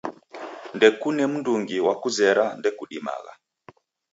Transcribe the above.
Ndekuna mndungi wakuzera ndekudimagha